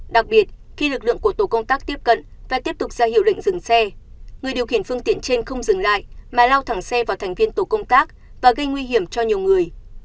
đặc biệt khi lực lượng của tổ công tác tiếp cận và tiếp tục ra hiệu lệnh dừng xe người điều khiển phương tiện trên không dừng lại mà lao thẳng xe vào thành viên tổ công tác và gây nguy hiểm cho nhiều người